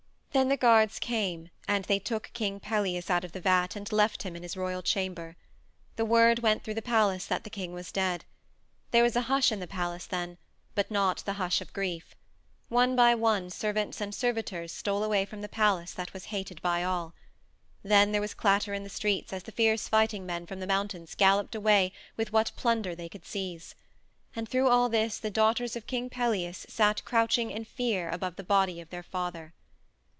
Then the guards came, and they took King Pelias out of the vat and left him in his royal chamber. The word went through the palace that the king was dead. There was a hush in the palace then, but not the hush of grief. One by one servants and servitors stole away from the palace that was hated by all. Then there was clatter in the streets as the fierce fighting men from the mountains galloped away with what plunder they could seize. And through all this the daughters of King Pelias sat crouching in fear above the body of their father.